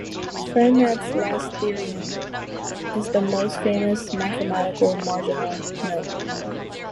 Fermat's last theorem is the most famous mathematical marginal note.